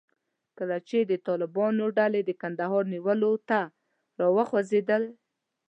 کله چې د طالبانو ډلې د کندهار نیولو ته راوخوځېدې.